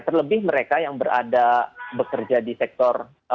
terlebih mereka yang berada bekerja di sektor